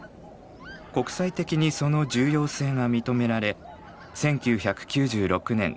国際的にその重要性が認められ１９９６年